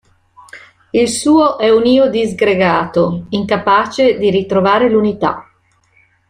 Il suo è un io disgregato, incapace di ritrovare l'unità.